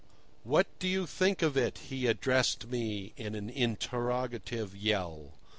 "What do you think of it?" he addressed me in an interrogative yell.